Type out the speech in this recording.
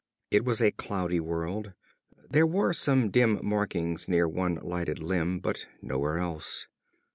It was a cloudy world. There were some dim markings near one lighted limb, but nowhere else.